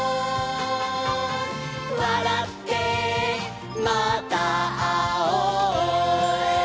「わらってまたあおう」